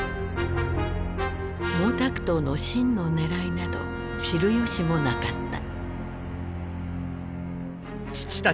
毛沢東の真のねらいなど知る由もなかった。